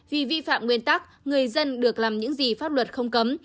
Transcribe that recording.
vì vi phạm nguyên tắc người dân được làm những gì pháp luật không cấm